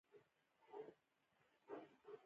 مطلوبه ګټه هغه وخت تر لاسه کیږي چې شرایط موجود وي.